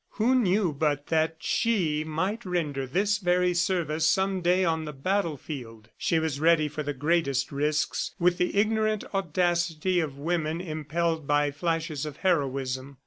Who knew but that she might render this very service some day on the battlefield! She was ready for the greatest risks, with the ignorant audacity of women impelled by flashes of heroism.